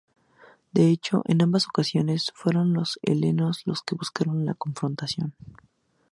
De hecho, en ambas ocasiones fueron los helenos los que buscaron la confrontación.